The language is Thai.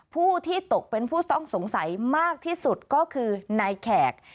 ผู้ที่ตกเป็นผู้ต้องสงสัยมากที่สุดก็คือนายแขก